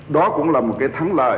đó cũng là một cái thắng lợi